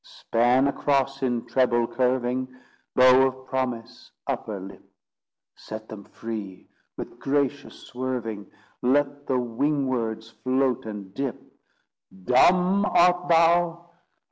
Span across in treble curving, Bow of promise, upper lip! Set them free, with gracious swerving; Let the wing words float and dip. _Dumb art thou?